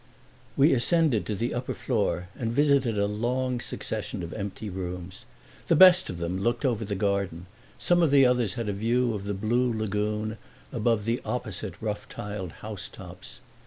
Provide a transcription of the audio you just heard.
We ascended to the upper floor and visited a long succession of empty rooms. The best of them looked over the garden; some of the others had a view of the blue lagoon, above the opposite rough tiled housetops.